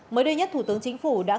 mới đây nhất thủ tướng chính phủ đã